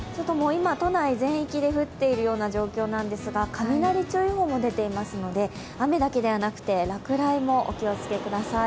都内全域で降っているような状況なんですが雷注意報も出ていますので、雨だけではなくて落雷もお気をつけください。